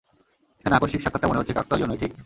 এখানে আকস্মিক সাক্ষাতটা মনে হচ্ছে কাকতালীয় নয়, ঠিক?